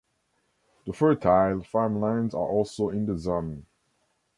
The fertile farmlands are also in the zone.